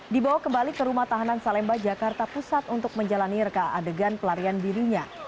dibawa kembali ke rumah tahanan salemba jakarta pusat untuk menjalani reka adegan pelarian dirinya